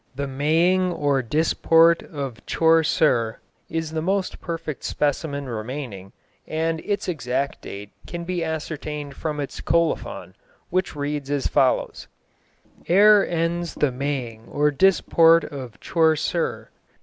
The Maying or Disport of Chaucer is the most perfect specimen remaining, and its exact date can be ascertained from its colophon, which reads as follows: Heir endis the maying and disport of Chaucer.